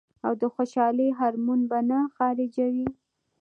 او د خوشالۍ هارمون به نۀ خارجوي -